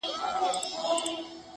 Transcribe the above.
پاچهي لکه حباب نه وېشل کیږي!!